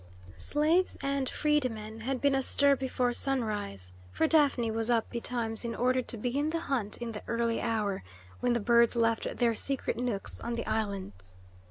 Slaves and freedmen had been astir before sunrise, for Daphne was up betimes in order to begin the hunt in the early hour when the birds left their secret nooks on the islands.